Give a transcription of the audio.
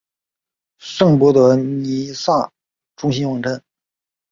圣博德弥撒中心网站